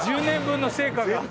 １０年分の成果が。